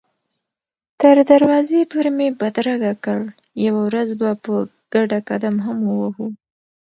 تر دروازې پورې مې بدرګه کړ، یوه ورځ به په ګډه قدم هم ووهو.